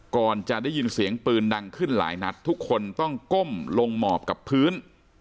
ก่อนจะได้ยินเสียงปืนดังขึ้นหลายนัดทุกคนต้องก้มลงหมอบกับพื้น